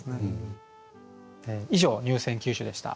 以上入選九首でした。